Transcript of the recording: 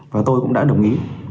và tôi cũng đã đồng ý